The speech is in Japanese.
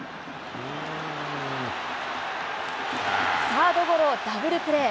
サードゴロ、ダブルプレー。